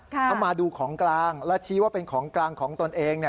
ถ้ามาดูของกลางและชี้ว่าเป็นของกลางของตนเอง